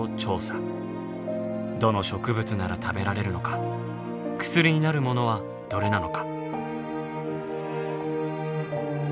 どの植物なら食べられるのか薬になるものはどれなのか。